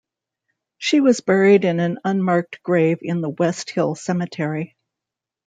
She was buried in an unmarked grave in the West Hill Cemetery.